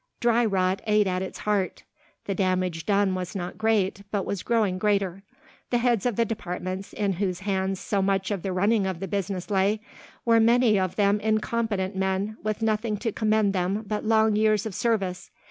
Dry rot ate at its heart. The damage done was not great, but was growing greater. The heads of the departments, in whose hands so much of the running of the business lay, were many of them incompetent men with nothing to commend them but long years of service.